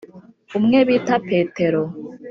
(umwe bita petero)